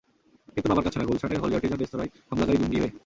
কিন্তু বাবার কাছে না, গুলশানের হলি আর্টিজান রেস্তোরাঁয় হামলাকারী জঙ্গি হয়ে।